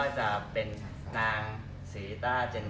ว่าจะแปลว่ารสพุทธิ์หรืออะไร